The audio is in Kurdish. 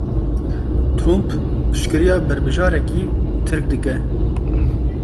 Trump piştgiriya berbijarekî Tirk dike.